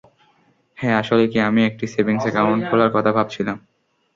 হ্যাঁ, আসলে কি, আমি একটি সেভিংস অ্যাকাউন্ট খোলার কথা ভাবছিলাম।